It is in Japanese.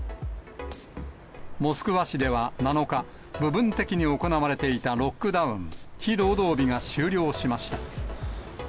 モスクワ市では７日、部分的に行われていたロックダウン・非労働日が終了しました。